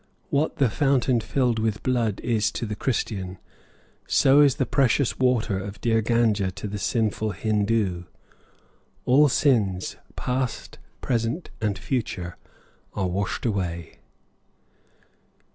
What the "fountain filled with blood" is to the Christian, so is the precious water of dear Ganga to the sinful Hindoo: all sins, past, present, and future, are washed away.